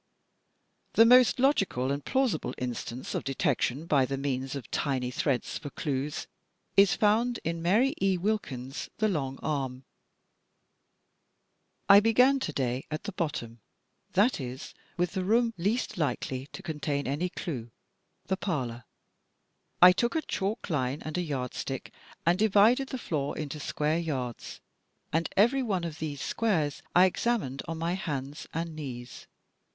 The most logical and plausible instance of detection by the means of tiny threads for clues is found in Mary E. Wilkins's "The Long Arm." "I began to day at the bottom — that is, with the room least likely to contain any clue, the parlour. I took a chalk line and a yard stick, and divided the floor into square yards, and every one of these squares I examined on my hands and knees.